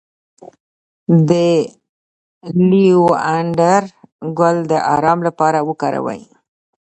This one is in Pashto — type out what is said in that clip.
د لیوانډر ګل د ارام لپاره وکاروئ